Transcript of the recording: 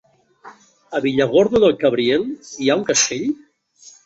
A Villargordo del Cabriel hi ha un castell?